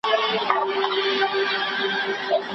چي اسمان پر تندي څه درته لیکلي